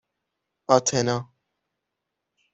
آتنا